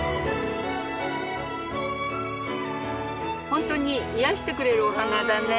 本当に癒やしてくれるお花だね。